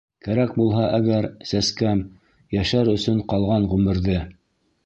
Кәрәк булһа, әгәр, сәскәм, Йәшәр өсөн ҡалған ғүмерҙе.